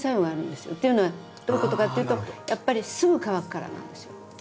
っていうのはどういうことかっていうとやっぱりすぐ乾くからなんですよ。